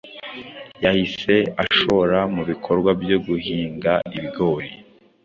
yahise ashora mubikorwa byo guhinga ibigori